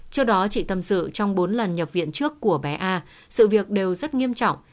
trước đó chị tâm sự trong bốn lần nhập viện trước của bé a sự việc đều rất nghiêm trọng